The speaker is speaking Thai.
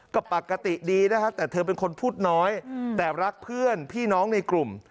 ก็ปกติดีนะครับแต่เธอเป็นคนพูดน้อยแต่รักเพื่อนพี่น้องในกลุ่ม